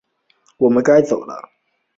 我们该走了